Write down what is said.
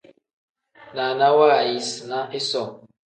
Naana waayisina isoo.